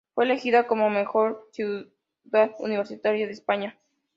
Fue elegida como mejor ciudad universitaria de España.